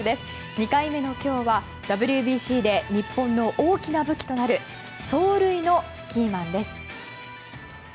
２回目の今日はＷＢＣで日本の大きな武器となる走塁のキーマンです。